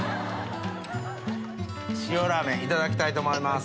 塩ラーメンいただきたいと思います。